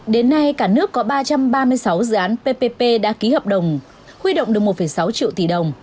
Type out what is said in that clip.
đến nay cả nước có ba trăm ba mươi sáu dự án ppp đã ký hợp đồng huy động được một sáu triệu tỷ đồng